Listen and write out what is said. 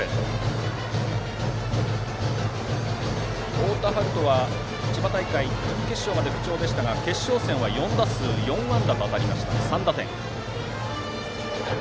太田遥斗は千葉大会準決勝まで不調でしたが決勝戦は４打数４安打３打点と当たりました。